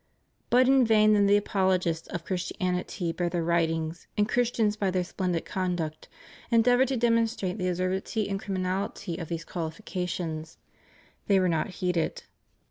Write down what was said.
But in vain did the apologists of Christianity by their writings, and Christians by their splendid conduct, endeavor to demonstrate the absurdity and criminality of these qualifications: they were not heeded.